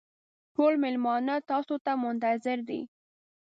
ټول مېلمانه تاسو ته منتظر دي.